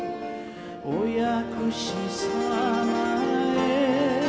「お薬師様へ」